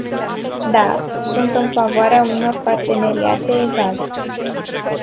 Da, sunt în favoarea unor parteneriate egale!